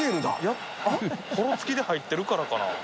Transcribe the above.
幌付きで入ってるからかな。